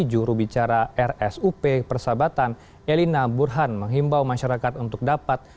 jurubicara rsup persahabatan elina burhan menghimbau masyarakat untuk dapat